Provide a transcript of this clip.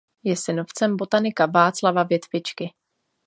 Je synovcem botanika Václava Větvičky.